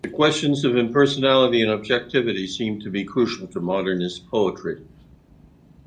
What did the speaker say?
The questions of impersonality and objectivity seem to be crucial to Modernist poetry.